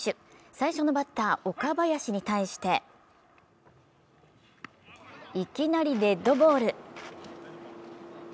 最初のバッター・岡林に対していきなりデッドボール。